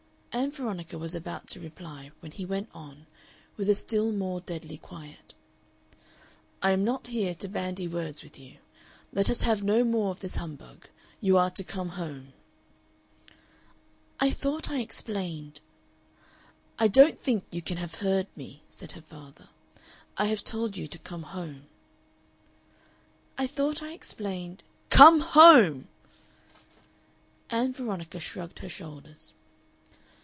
Ann Veronica was about to reply, when he went on, with a still more deadly quiet: "I am not here to bandy words with you. Let us have no more of this humbug. You are to come home." "I thought I explained " "I don't think you can have heard me," said her father; "I have told you to come home." "I thought I explained " "Come home!" Ann Veronica shrugged her shoulders.